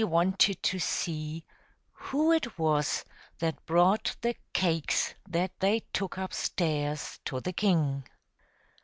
wanted to see who it was that brought the cakes that they took up stairs to the king.